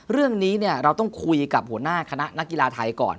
เรื่องนี้เราต้องคุยกับหัวหน้าคณะนักกีฬาไทยก่อน